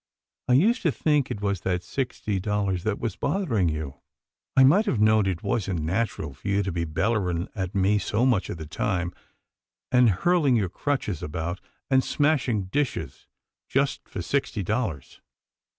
I used to think it was that sixty dollars that was bothering you. I might have known it wasn't nat ural for you to be bellering at me so much of the time, and hurling your crutches about, and smash ing dishes, just for sixty dollars."